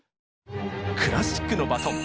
クラシックのバトン。